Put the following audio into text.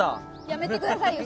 やめてくださいよ